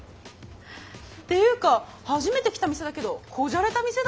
っていうか初めて来た店だけどこじゃれた店だね。